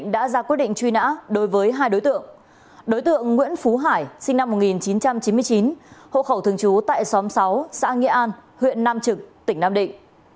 đối tượng nguyễn phú hải sinh năm một nghìn chín trăm chín mươi chín hộ khẩu thường trú tại xóm sáu xã nghĩa an huyện nam trực tỉnh nam định